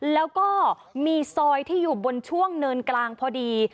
แล้วก็มีซอยที่อยู่บนช่วงเนินกลางพอดี